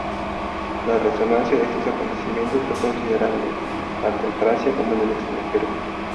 La resonancia de estos acontecimientos fue considerable, tanto en Francia como en el extranjero.